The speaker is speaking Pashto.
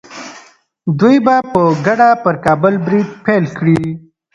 دوی به په ګډه پر کابل برید پیل کړي.